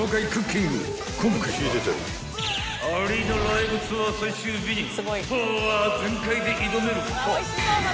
［今回はアリーナライブツアー最終日にパワー全開で挑める］